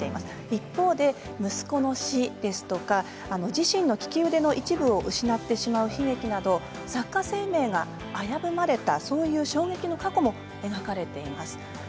一方で息子の死ですとか自身の利き腕の一部を失ってしまう悲劇など作家生命が危ぶまれたそういう衝撃の過去も描かれています。